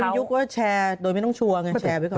ยุคว่าแชร์โดยไม่ต้องชัวร์ไงแชร์ไว้ก่อน